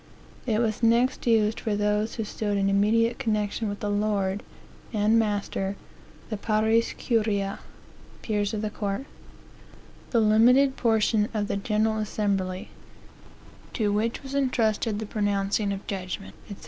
It was next used for those who stood in immediate connexion with the lord and master, the pares curiae, (peers of the court,) the limited portion of the general assembly, to which was entrusted the pronouncing of judgment," &c.